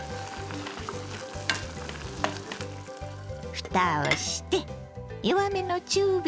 ふたをして弱めの中火。